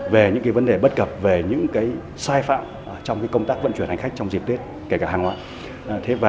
về những vấn đề bất cập về những sai phạm trong công tác vận chuyển hành khách trong dịp tết kể cả hàng hóa